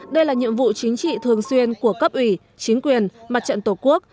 đây là nhiệm vụ chính trị thường xuyên của cấp ủy chính quyền mặt trận tổ quốc